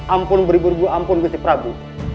ampun beriburgu ampun kusti prabu